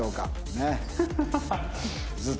ねっ。